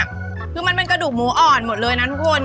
คือมันเป็นกระดูกหมูอ่อนหมดเลยนะทุกคน